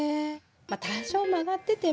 まっ多少曲がってても。